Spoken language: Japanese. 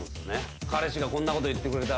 彼氏がこんなこと言ってくれたら。